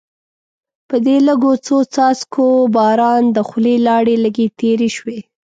په دې لږو څو څاڅکو باران د خولې لاړې لږې تېرې شوې.